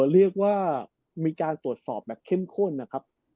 เรียกว่ามีการตรวจสอบแบบเข้มข้นนะครับ